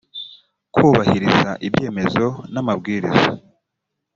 kubahiriza ibyemezo n’amabwiriza